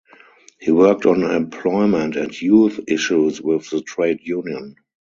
He worked on employment and youth issues within the trade union.